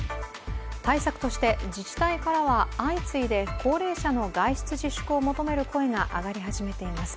対策として、自治体からは相次いで高齢者の外出自粛を求める声が上がり始めています。